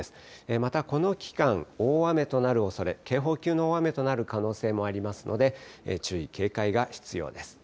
また、この期間、大雨となるおそれ、警報級の大雨となる可能性もありますので、注意、警戒が必要です。